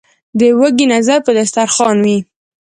ـ د وږي نظر په دستر خوان وي.